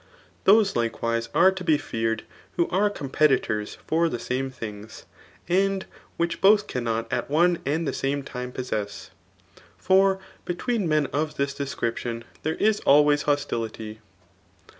Thote^ likewise' are to be feared who are.cpmpetitor^.fotr th^isaiM things, •and which both cannot at one and the same toe possess; . for between men of this description there is alwayt ho^* lity.